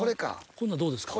こんなんどうですか？